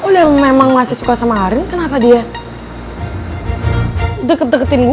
oleh emang masih suka sama arin kenapa dia deket deketin gue